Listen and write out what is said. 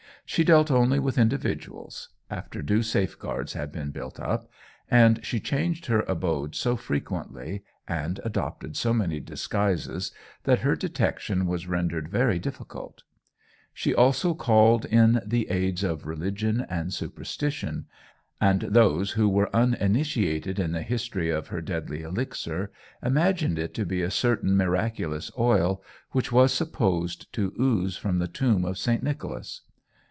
She dealt only with individuals, after due safeguards had been built up, and she changed her abode so frequently, and adopted so many disguises, that her detection was rendered very difficult. She also called in the aids of religion and superstition, and those who were uninitiated in the history of her deadly elixir, imagined it to be a certain miraculous oil which was supposed to ooze from the tomb of St. Nicholas.